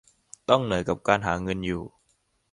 ต้องเหนื่อยกับการหาเงินอยู่